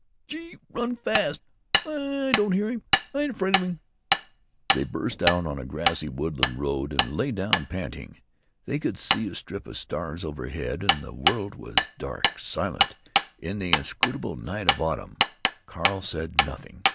"Gee! run fast!... Aw, I don't hear him. I ain't afraid of him!" They burst out on a grassy woodland road and lay down, panting. They could see a strip of stars overhead; and the world was dark, silent, in the inscrutable night of autumn. Carl said nothing.